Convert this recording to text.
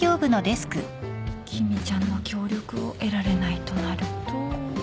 君ちゃんの協力を得られないとなると。